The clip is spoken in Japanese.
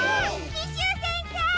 キシュウ先生！